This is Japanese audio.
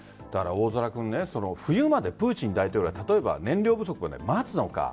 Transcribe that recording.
大空君冬までプーチン大統領が例えば燃料不足を待つのか。